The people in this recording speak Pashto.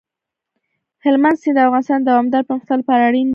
هلمند سیند د افغانستان د دوامداره پرمختګ لپاره اړین دي.